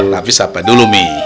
tapi siapa dulu mi